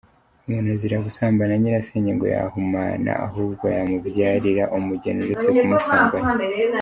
Umuntu azira gusambana na Nyirasenge ngo yahumana, ahubwo yamubyarira umugeni uretse kumusambanya.